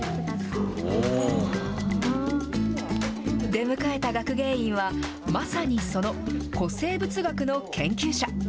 出迎えた学芸員は、まさにその古生物学の研究者。